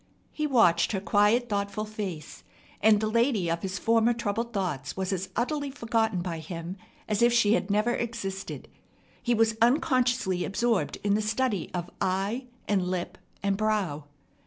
He watched her quiet, thoughtful face, and the lady of his former troubled thoughts was as utterly forgotten by him as if she had never existed. He was unconsciously absorbed in the study of eye and lip and brow.